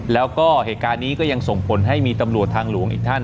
แล้วก็เหตุการณ์นี้ก็ยังส่งผลให้มีตำรวจทางหลวงอีกท่าน